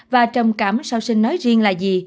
và trầm cảm sau sinh nói riêng